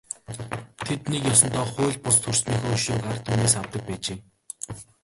Тэд нэг ёсондоо хууль бус төрснийхөө өшөөг ард түмнээс авдаг байжээ.